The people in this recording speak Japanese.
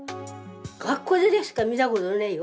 学校でしか見たことないよ。